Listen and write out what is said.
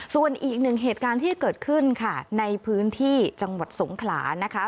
ส่วนอีกหนึ่งเหตุการณ์ที่เกิดขึ้นค่ะในพื้นที่จังหวัดสงขลานะคะ